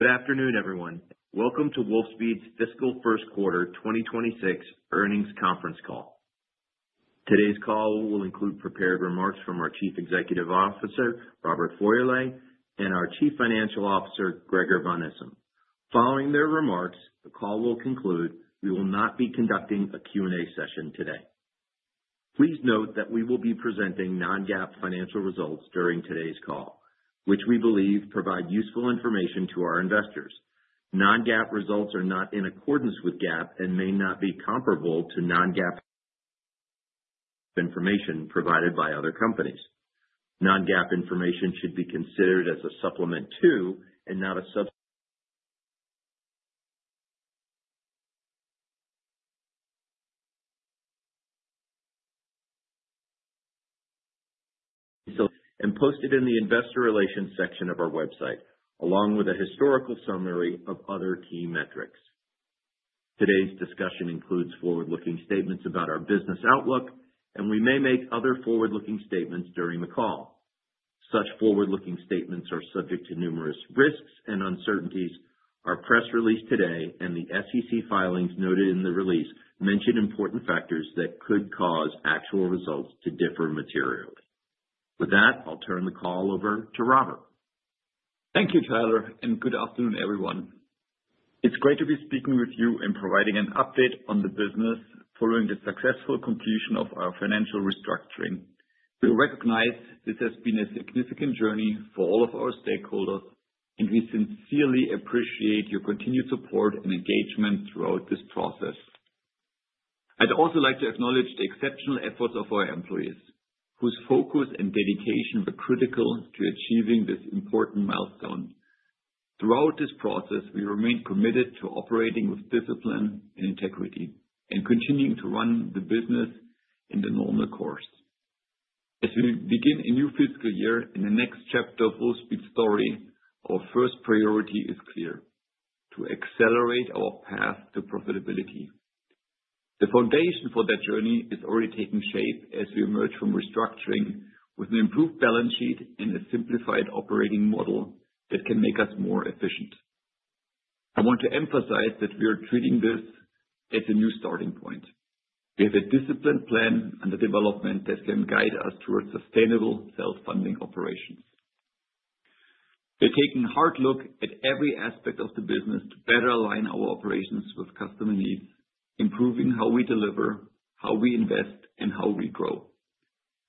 Good afternoon, everyone. Welcome to Wolfspeed's fiscal first quarter 2026 earnings conference call. Today's call will include prepared remarks from our Chief Executive Officer, Robert Feurle, and our Chief Financial Officer, Gregor van Issum. Following their remarks, the call will conclude. We will not be conducting a Q&A session today. Please note that we will be presenting non-GAAP financial results during today's call, which we believe provide useful information to our investors. Non-GAAP results are not in accordance with GAAP and may not be comparable to non-GAAP information provided by other companies. Non-GAAP information should be considered as a supplement to and not a substitute and posted in the investor relations section of our website, along with a historical summary of other key metrics. Today's discussion includes forward-looking statements about our business outlook, and we may make other forward-looking statements during the call. Such forward-looking statements are subject to numerous risks and uncertainties. Our press release today and the SEC filings noted in the release mention important factors that could cause actual results to differ materially. With that, I'll turn the call over to Robert. Thank you, Tyler, and good afternoon, everyone. It's great to be speaking with you and providing an update on the business following the successful completion of our financial restructuring. We recognize this has been a significant journey for all of our stakeholders, and we sincerely appreciate your continued support and engagement throughout this process. I'd also like to acknowledge the exceptional efforts of our employees, whose focus and dedication were critical to achieving this important milestone. Throughout this process, we remained committed to operating with discipline and integrity and continuing to run the business in the normal course. As we begin a new fiscal year and the next chapter of Wolfspeed's story, our first priority is clear: to accelerate our path to profitability. The foundation for that journey is already taking shape as we emerge from restructuring with an improved balance sheet and a simplified operating model that can make us more efficient. I want to emphasize that we are treating this as a new starting point. We have a disciplined plan and the development that can guide us towards sustainable self-funding operations. We're taking a hard look at every aspect of the business to better align our operations with customer needs, improving how we deliver, how we invest, and how we grow.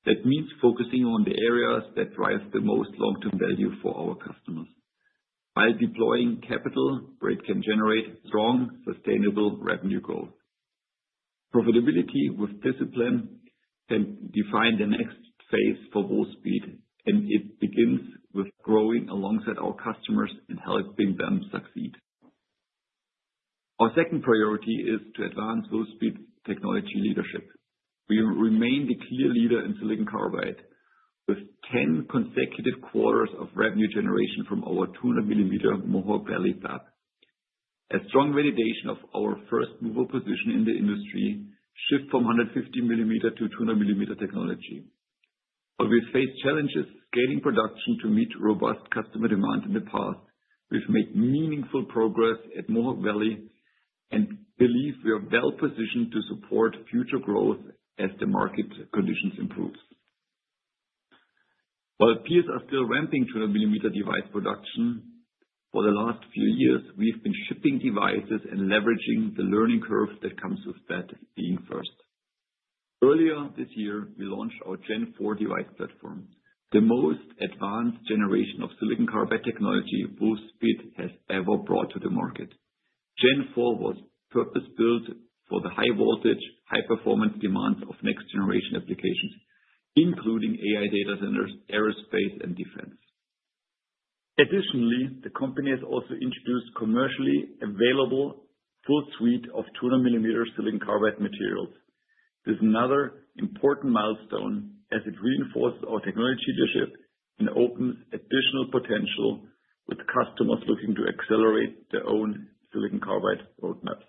That means focusing on the areas that drive the most long-term value for our customers. By deploying capital, Gregg can generate strong, sustainable revenue growth. Profitability with discipline can define the next phase for Wolfspeed, and it begins with growing alongside our customers and helping them succeed. Our second priority is to advance Wolfspeed's technology leadership. We remain the clear leader in silicon carbide with 10 consecutive quarters of revenue generation from our 200 mm Mohawk Valley fab. A strong validation of our first-mover position in the industry shifted from 150 mm to 200 mm technology. While we've faced challenges scaling production to meet robust customer demand in the past, we've made meaningful progress at Mohawk Valley and believe we are well-positioned to support future growth as the market conditions improve. While peers are still ramping 200 mm device production, for the last few years, we've been shipping devices and leveraging the learning curve that comes with that being first. Earlier this year, we launched our Gen 4 device platform, the most advanced generation of silicon carbide technology Wolfspeed has ever brought to the market. Gen 4 was purpose-built for the high-voltage, high-performance demands of next-generation applications, including AI data centers, aerospace, and defense. Additionally, the company has also introduced a commercially available full suite of 200 mm silicon carbide materials. This is another important milestone as it reinforces our technology leadership and opens additional potential with customers looking to accelerate their own silicon carbide roadmaps.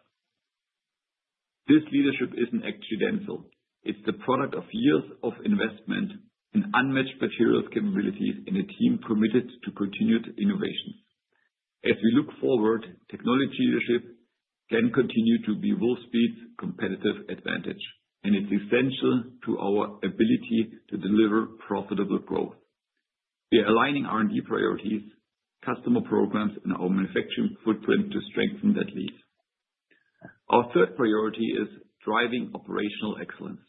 This leadership isn't accidental. It's the product of years of investment in unmatched materials capabilities and a team committed to continued innovation. As we look forward, technology leadership can continue to be Wolfspeed's competitive advantage, and it's essential to our ability to deliver profitable growth. We are aligning R&D priorities, customer programs, and our manufacturing footprint to strengthen that lead. Our third priority is driving operational excellence,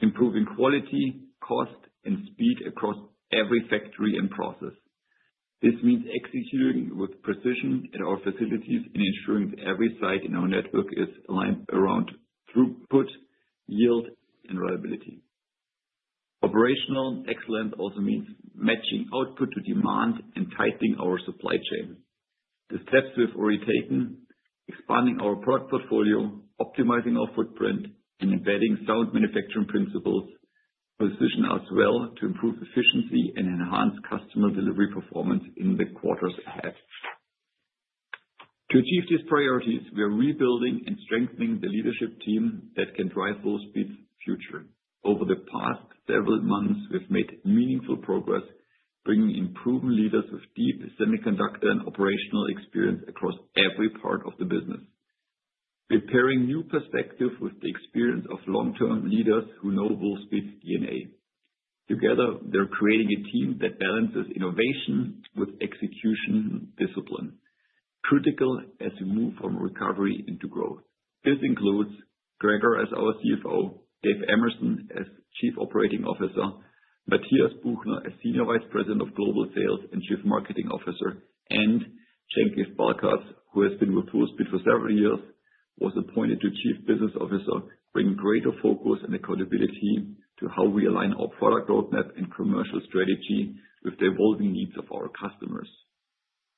improving quality, cost, and speed across every factory and process. This means executing with precision at our facilities and ensuring every site in our network is aligned around throughput, yield, and reliability. Operational excellence also means matching output to demand and tightening our supply chain. The steps we've already taken: expanding our product portfolio, optimizing our footprint, and embedding sound manufacturing principles. Position us well to improve efficiency and enhance customer delivery performance in the quarters ahead. To achieve these priorities, we are rebuilding and strengthening the leadership team that can drive Wolfspeed's future. Over the past several months, we've made meaningful progress, bringing improved leaders with deep semiconductor and operational experience across every part of the business, preparing new perspectives with the experience of long-term leaders who know Wolfspeed's DNA. Together, they're creating a team that balances innovation with execution and discipline, critical as we move from recovery into growth. This includes Gregor as our CFO, Dave Emerson as Chief Operating Officer, Matthias Buchner as Senior Vice President of Global Sales and Chief Marketing Officer, and Cengiz Balkas, who has been with Wolfspeed for several years, was appointed to Chief Business Officer, bringing greater focus and accountability to how we align our product roadmap and commercial strategy with the evolving needs of our customers.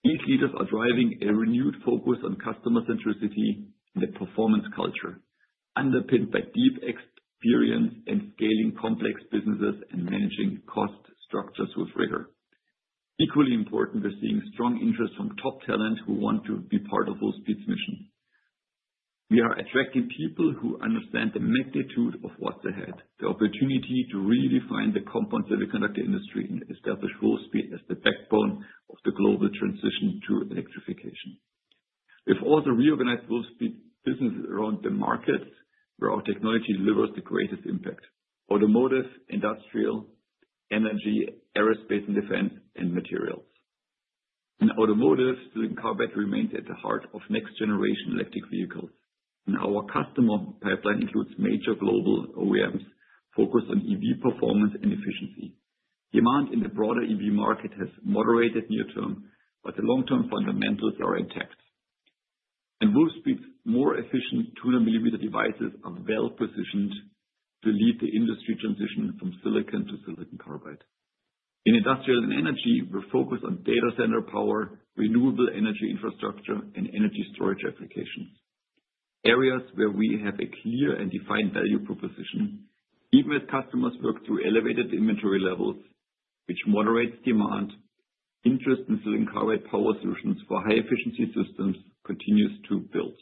These leaders are driving a renewed focus on customer centricity and a performance culture, underpinned by deep experience in scaling complex businesses and managing cost structures with rigor. Equally important, we're seeing strong interest from top talent who want to be part of Wolfspeed's mission. We are attracting people who understand the magnitude of what's ahead, the opportunity to redefine the compound semiconductor industry and establish Wolfspeed as the backbone of the global transition to electrification. We've also reorganized Wolfspeed's business around the markets where our technology delivers the greatest impact: automotive, industrial, energy, aerospace, and defense, and materials. In automotive, silicon carbide remains at the heart of next-generation electric vehicles, and our customer pipeline includes major global OEMs focused on EV performance and efficiency. Demand in the broader EV market has moderated near term, but the long-term fundamentals are intact. Wolfspeed's more efficient 200 mm devices are well-positioned to lead the industry transition from silicon to silicon carbide. In industrial and energy, we're focused on data center power, renewable energy infrastructure, and energy storage applications, areas where we have a clear and defined value proposition. Even as customers work through elevated inventory levels, which moderates demand, interest in silicon carbide power solutions for high-efficiency systems continues to build.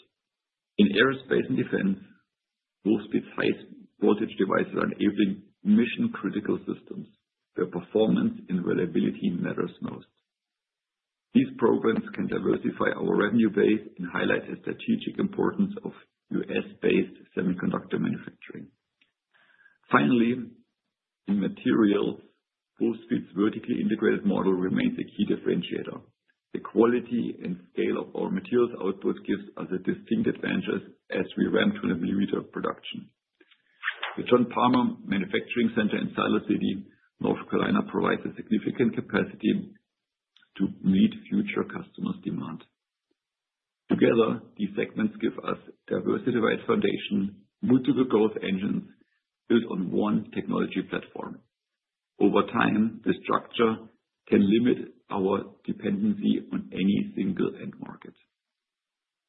In aerospace and defense, Wolfspeed's high-voltage devices are enabling mission-critical systems where performance and reliability matters most. These programs can diversify our revenue base and highlight the strategic importance of U.S.-based semiconductor manufacturing. Finally, in materials, Wolfspeed's vertically integrated model remains a key differentiator. The quality and scale of our materials output gives us a distinct advantage as we ramp to the 200 mm production. The John Palmour Manufacturing Center in Siler City, North Carolina, provides a significant capacity to meet future customers' demand. Together, these segments give us a diverse device foundation, multiple growth engines built on one technology platform. Over time, this structure can limit our dependency on any single end market.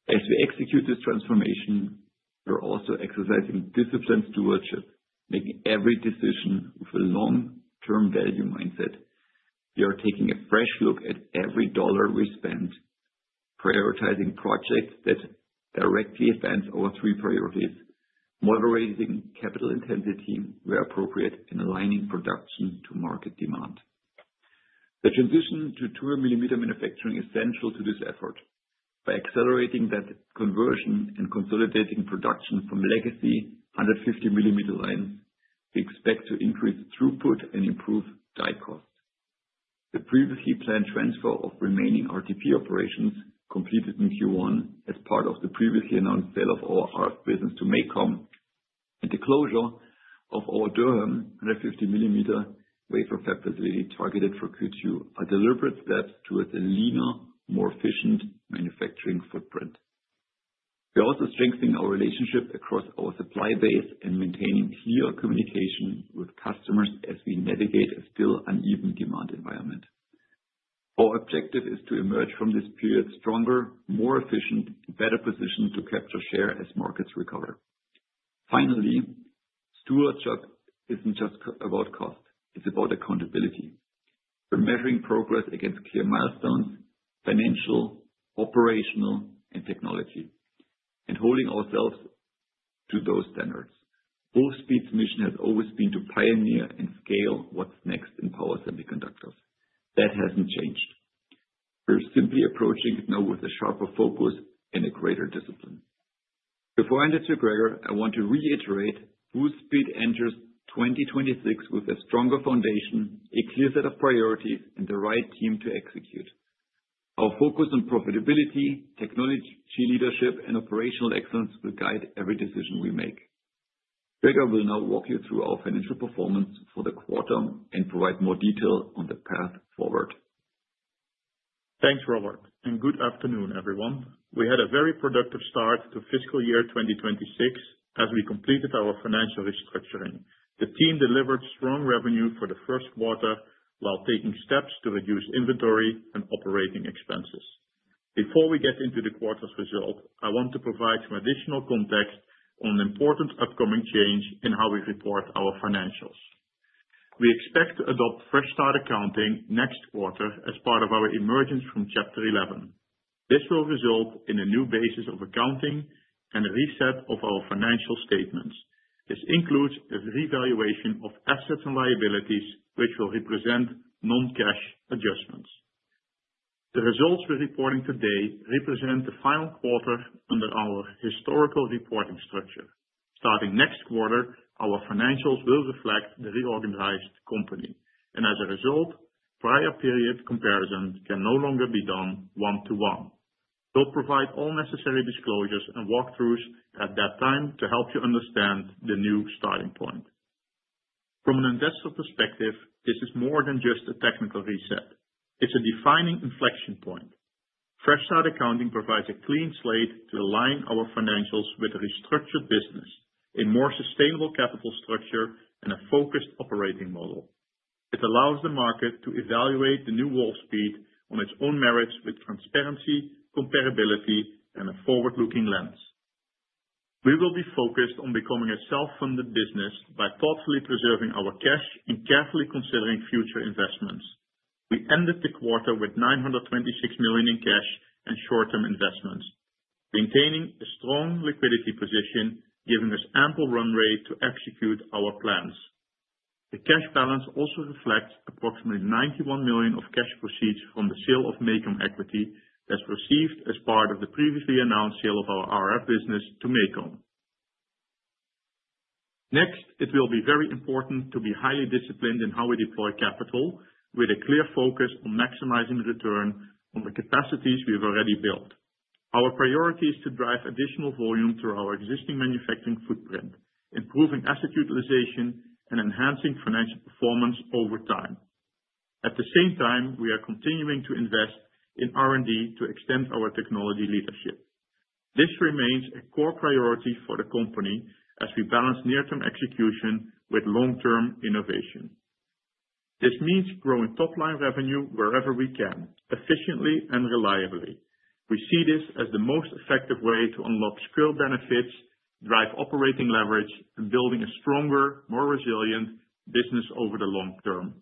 As we execute this transformation, we're also exercising disciplined stewardship, making every decision with a long-term value mindset. We are taking a fresh look at every dollar we spend, prioritizing projects that directly advance our three priorities, moderating capital intensity where appropriate, and aligning production to market demand. The transition to 200 mm manufacturing is essential to this effort. By accelerating that conversion and consolidating production from legacy 150 mm lines, we expect to increase throughput and improve die cost. The previously planned transfer of remaining RTP operations completed in Q1 as part of the previously announced sale of our RF business to MACOM, and the closure of our Durham 150 mm wafer fab facility targeted for Q2 are deliberate steps towards a leaner, more efficient manufacturing footprint. We're also strengthening our relationship across our supply base and maintaining clear communication with customers as we navigate a still uneven demand environment. Our objective is to emerge from this period stronger, more efficient, and better positioned to capture share as markets recover. Finally, stewardship isn't just about cost. It's about accountability. We're measuring progress against clear milestones: financial, operational, and technology, and holding ourselves to those standards. Wolfspeed's mission has always been to pioneer and scale what's next in power semiconductors. That hasn't changed. We're simply approaching it now with a sharper focus and a greater discipline. Before I hand it to Gregor, I want to reiterate: Wolfspeed enters 2026 with a stronger foundation, a clear set of priorities, and the right team to execute. Our focus on profitability, technology leadership, and operational excellence will guide every decision we make. Gregor will now walk you through our financial performance for the quarter and provide more detail on the path forward. Thanks, Robert, and good afternoon, everyone. We had a very productive start to fiscal year 2026 as we completed our financial restructuring. The team delivered strong revenue for the first quarter while taking steps to reduce inventory and operating expenses. Before we get into the quarter's result, I want to provide some additional context on an important upcoming change in how we report our financials. We expect to adopt fresh-start accounting next quarter as part of our emergence from Chapter 11. This will result in a new basis of accounting and a reset of our financial statements. This includes a revaluation of assets and liabilities, which will represent non-cash adjustments. The results we're reporting today represent the final quarter under our historical reporting structure. Starting next quarter, our financials will reflect the reorganized company, and as a result, prior period comparisons can no longer be done one-to-one. We'll provide all necessary disclosures and walkthroughs at that time to help you understand the new starting point. From an investor perspective, this is more than just a technical reset. It's a defining inflection point. Fresh-start accounting provides a clean slate to align our financials with a restructured business, a more sustainable capital structure, and a focused operating model. It allows the market to evaluate the new Wolfspeed on its own merits with transparency, comparability, and a forward-looking lens. We will be focused on becoming a self-funded business by thoughtfully preserving our cash and carefully considering future investments. We ended the quarter with $926 million in cash and short-term investments, maintaining a strong liquidity position, giving us ample runway to execute our plans. The cash balance also reflects approximately $91 million of cash proceeds from the sale of MACOM equity that's received as part of the previously announced sale of our RF business to MACOM. Next, it will be very important to be highly disciplined in how we deploy capital, with a clear focus on maximizing return on the capacities we've already built. Our priority is to drive additional volume through our existing manufacturing footprint, improving asset utilization, and enhancing financial performance over time. At the same time, we are continuing to invest in R&D to extend our technology leadership. This remains a core priority for the company as we balance near-term execution with long-term innovation. This means growing top-line revenue wherever we can, efficiently and reliably. We see this as the most effective way to unlock scale benefits, drive operating leverage, and build a stronger, more resilient business over the long term.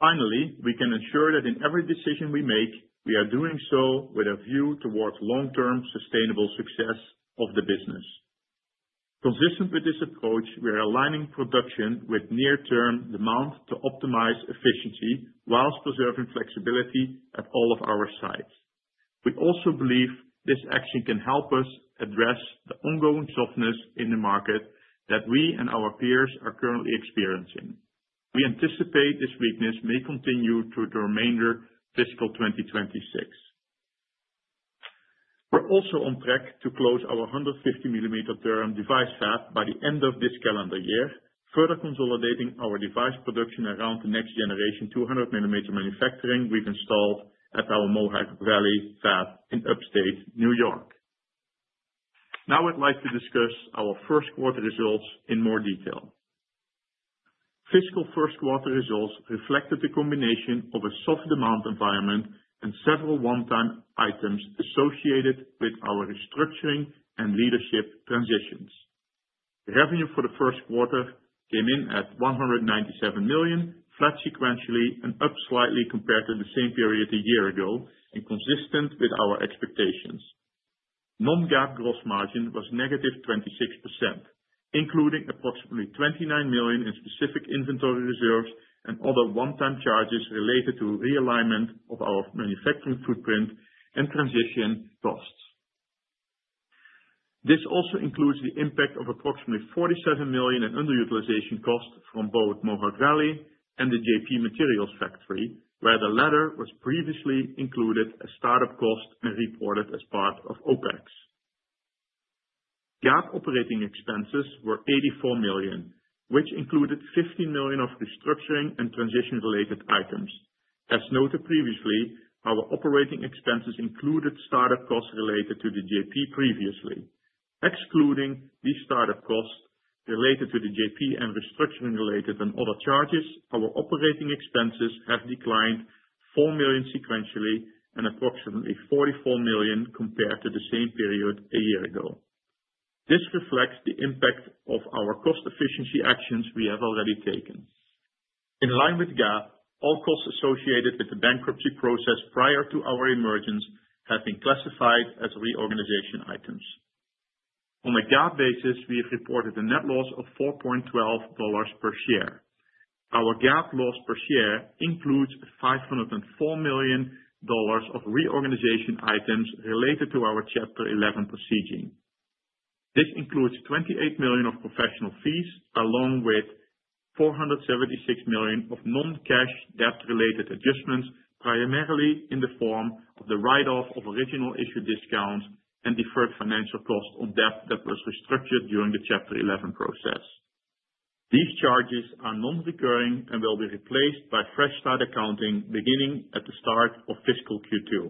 Finally, we can ensure that in every decision we make, we are doing so with a view towards long-term sustainable success of the business. Consistent with this approach, we are aligning production with near-term demand to optimize efficiency while preserving flexibility at all of our sites. We also believe this action can help us address the ongoing softness in the market that we and our peers are currently experiencing. We anticipate this weakness may continue through the remainder of fiscal 2026. We're also on track to close our 150 mm Durham device fab by the end of this calendar year, further consolidating our device production around the next-generation 200 mm manufacturing we've installed at our Mohawk Valley fab in Upstate New York. Now, I'd like to discuss our first quarter results in more detail. Fiscal first quarter results reflected the combination of a soft demand environment and several one-time items associated with our restructuring and leadership transitions. Revenue for the first quarter came in at $197 million, flat sequentially and up slightly compared to the same period a year ago, and consistent with our expectations. Non-GAAP gross margin was -26%, including approximately $29 million in specific inventory reserves and other one-time charges related to realignment of our manufacturing footprint and transition costs. This also includes the impact of approximately $47 million in underutilization cost from both Mohawk Valley and the JP Materials factory, where the latter was previously included as startup cost and reported as part of OpEx. GAAP operating expenses were $84 million, which included $15 million of restructuring and transition-related items. As noted previously, our operating expenses included startup costs related to the JP previously. Excluding these startup costs related to the JP and restructuring-related and other charges, our operating expenses have declined $4 million sequentially and approximately $44 million compared to the same period a year ago. This reflects the impact of our cost efficiency actions we have already taken. In line with GAAP, all costs associated with the bankruptcy process prior to our emergence have been classified as reorganization items. On a GAAP basis, we have reported a net loss of $4.12 per share. Our GAAP loss per share includes $504 million of reorganization items related to our Chapter 11 proceeding. This includes $28 million of professional fees, along with $476 million of non-cash debt-related adjustments, primarily in the form of the write-off of original issue discounts and deferred financial cost on debt that was restructured during the Chapter 11 process. These charges are non-recurring and will be replaced by fresh-start accounting beginning at the start of fiscal Q2.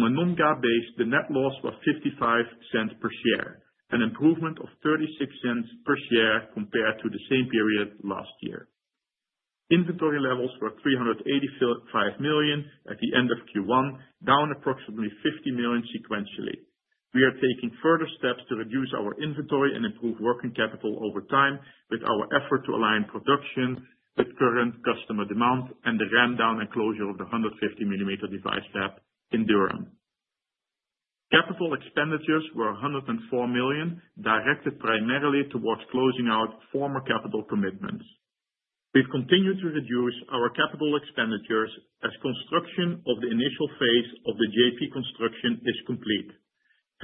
On a non-GAAP basis, the net loss was $0.55 per share, an improvement of $0.36 per share compared to the same period last year. Inventory levels were $385 million at the end of Q1, down approximately $50 million sequentially. We are taking further steps to reduce our inventory and improve working capital over time with our effort to align production with current customer demand and the rundown and closure of the 150 mm device fab in Durham. Capital expenditures were $104 million, directed primarily towards closing out former capital commitments. We've continued to reduce our capital expenditures as construction of the initial phase of the JP construction is complete,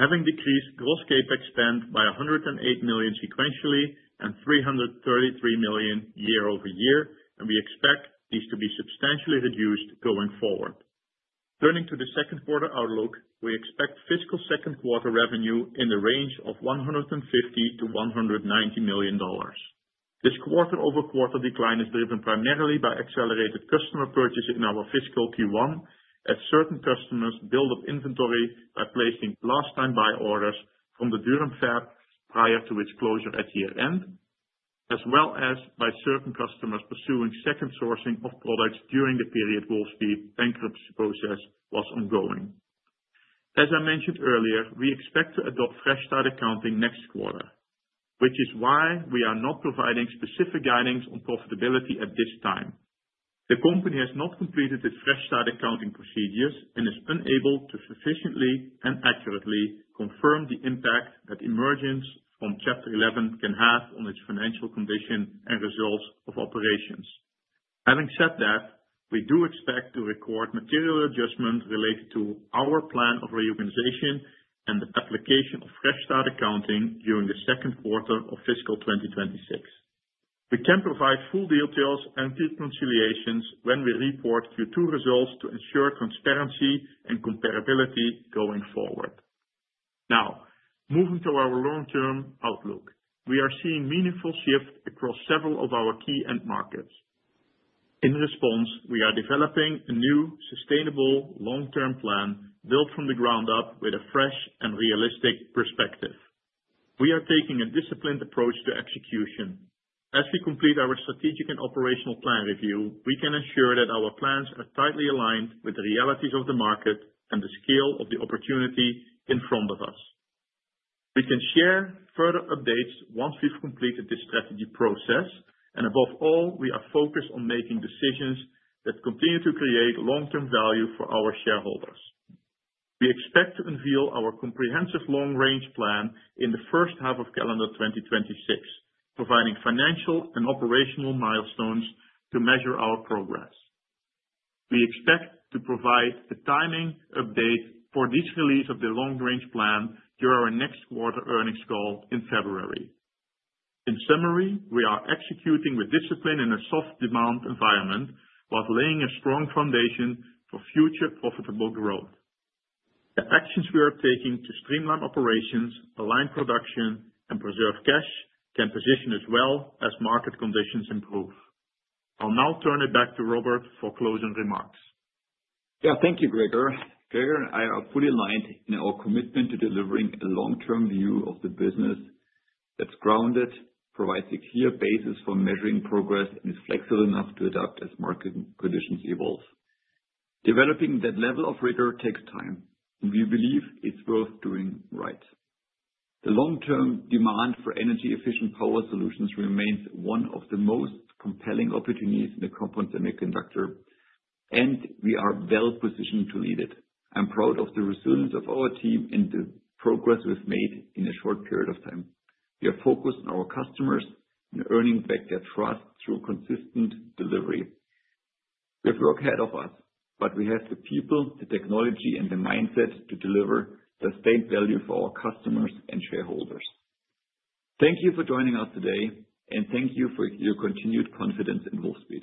having decreased gross CapEx spend by $108 million sequentially and $333 million year-over-year, and we expect these to be substantially reduced going forward. Turning to the second quarter outlook, we expect fiscal second quarter revenue in the range of $150 million-$190 million. This quarter-over-quarter decline is driven primarily by accelerated customer purchase in our fiscal Q1, as certain customers build up inventory by placing last-time buy orders from the Durham fab prior to its closure at year-end, as well as by certain customers pursuing second sourcing of products during the period Wolfspeed bankruptcy process was ongoing. As I mentioned earlier, we expect to adopt fresh-start accounting next quarter, which is why we are not providing specific guidance on profitability at this time. The company has not completed its fresh-start accounting procedures and is unable to sufficiently and accurately confirm the impact that emergence from Chapter 11 can have on its financial condition and results of operations. Having said that, we do expect to record material adjustments related to our plan of reorganization and the application of fresh-start accounting during the second quarter of fiscal 2026. We can provide full details and reconciliations when we report Q2 results to ensure transparency and comparability going forward. Now, moving to our long-term outlook, we are seeing meaningful shifts across several of our key end markets. In response, we are developing a new sustainable long-term plan built from the ground up with a fresh and realistic perspective. We are taking a disciplined approach to execution. As we complete our strategic and operational plan review, we can ensure that our plans are tightly aligned with the realities of the market and the scale of the opportunity in front of us. We can share further updates once we've completed this strategy process, and above all, we are focused on making decisions that continue to create long-term value for our shareholders. We expect to unveil our comprehensive long-range plan in the first half of calendar 2026, providing financial and operational milestones to measure our progress. We expect to provide a timing update for this release of the long-range plan during our next quarter earnings call in February. In summary, we are executing with discipline in a soft demand environment while laying a strong foundation for future profitable growth. The actions we are taking to streamline operations, align production, and preserve cash can position us well as market conditions improve. I'll now turn it back to Robert for closing remarks. Yeah, thank you, Gregor. Gregor, I am fully aligned in our commitment to delivering a long-term view of the business that's grounded, provides a clear basis for measuring progress, and is flexible enough to adapt as market conditions evolve. Developing that level of rigor takes time, and we believe it's worth doing right. The long-term demand for energy-efficient power solutions remains one of the most compelling opportunities in the compound semiconductor, and we are well positioned to lead it. I'm proud of the resilience of our team and the progress we've made in a short period of time. We are focused on our customers and earning back their trust through consistent delivery. We have work ahead of us, but we have the people, the technology, and the mindset to deliver sustained value for our customers and shareholders. Thank you for joining us today, and thank you for your continued confidence in Wolfspeed.